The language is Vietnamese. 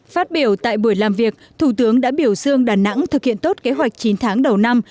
phát biểu tại buổi làm việc thủ tướng đã biểu dương đà nẵng thực hiện tốt kế hoạch chín tháng đầu năm